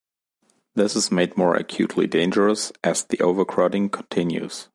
This is made more acutely dangerous as the overcrowding continues.